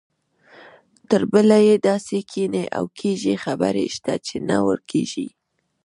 تربله یې داسې کینې او کږې خبرې شته چې نه ورکېږي.